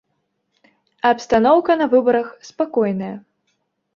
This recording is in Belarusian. Абстаноўка на выбарах спакойная.